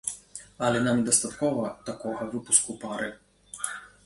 Але нам недастаткова такога выпуску пары!